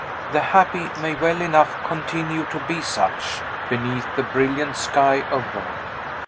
The happy may well enough continue to be such, beneath the brilliant sky of Rome.